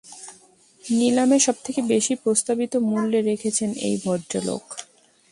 নিলামে সবথেকে বেশি প্রস্তাবিত মুল্যে রেখেছেন এই ভদ্রলোক।